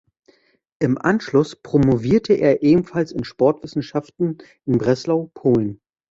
Im Anschluss promovierte er ebenfalls in Sportwissenschaften in Breslau, Polen.